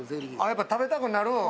やっぱ食べたくなる？